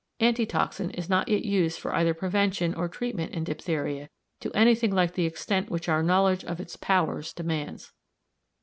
Antitoxin is not yet used for either prevention or treatment in diphtheria to anything like the extent which our knowledge of its powers demands.